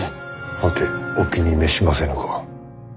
はてお気に召しませぬか？